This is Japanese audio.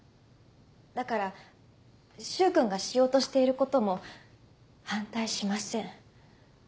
だから柊君がしようとしていることも反対しません。